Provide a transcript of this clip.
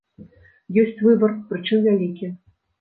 Ёсць выбар, прычым, вялікі.